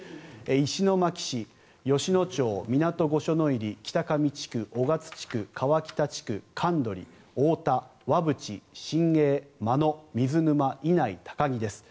石巻市、吉野町、湊御所入北上地区、雄勝地区、河北地区神取、太田、和渕水沼、稲井、高木です。